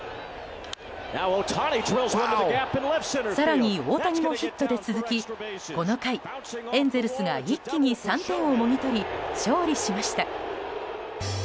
更に大谷もヒットで続きこの回、エンゼルスが一気に３点をもぎ取り勝利しました。